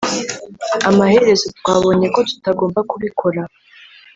Amaherezo twabonye ko tutagomba kubikora